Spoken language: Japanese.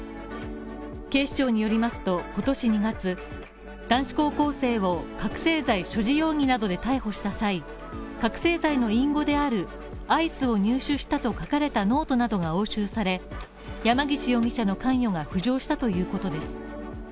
警視庁によりますと今年２月、男子高校生を覚せい剤所持容疑などで逮捕した際、覚醒剤の隠語であるアイスを入手したと書かれたノートなどが押収され、山岸容疑者の関与が浮上したということです。